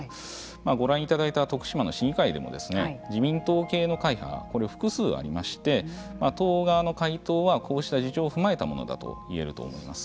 ご覧いただいた徳島の市議会でも自民党系の会派これは複数ありまして党側の回答はこうした事情を踏まえたものだといえると思います。